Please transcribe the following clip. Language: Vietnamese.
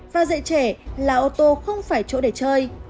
và dạy trẻ là ô tô không phải chỗ để chơi